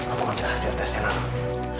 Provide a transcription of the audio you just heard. aku mau cari hasil tes ya non